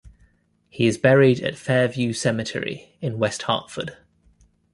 He is buried at Fairview Cemetery in West Hartford.